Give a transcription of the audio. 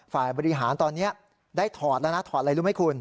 ฝ่ายบริหารตอนนี้ได้ถอดแล้วนะถอดอะไรรู้ไหมคุณ